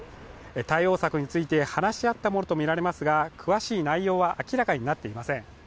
対応策について話し合ったものとみられますが詳しい内容は明らかになっていません。